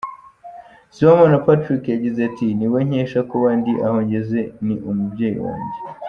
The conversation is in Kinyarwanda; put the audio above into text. Sibomana Patrick yagize ati” Ni we nkesha kuba ndi aho ngeze, ni umubyeyi wanjye.